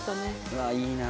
うわいいな。